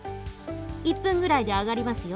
１分ぐらいで揚がりますよ。